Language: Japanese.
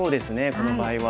この場合は。